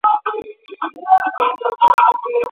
دا چي خاوند تر طلاق وروسته ناوړه عواقب سنجوي.